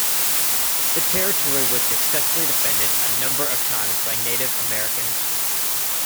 The territory was successfully defended a number of times by Native Americans.